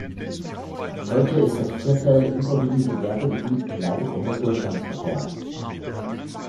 Heute ist das Viertel überwiegend Gewerbegebiet und leidet unter Durchgangsverkehr.